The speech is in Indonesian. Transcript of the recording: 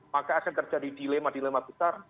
maka akan terjadi dilema dilema besar